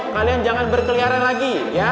kalian jangan berkeliaran lagi